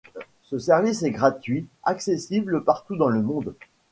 Ce service est gratuit, accessible partout dans le monde.